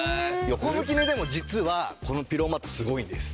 横向き寝でも実はこのピローマットすごいんです。